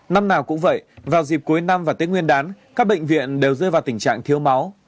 năm nào cũng vậy vào dịp cuối năm và tết nguyên đán các bệnh viện đều rơi vào tình trạng thiếu máu